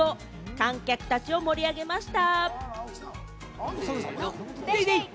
観客たちを盛り上げました。